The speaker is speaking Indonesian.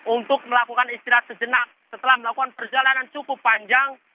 untuk melakukan istirahat sejenak setelah melakukan perjalanan cukup panjang